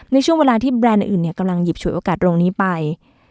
ในช่วงเวลาที่แบรนด์อื่นกำลังหยิบฉวยโอกาสโรงนี้ไป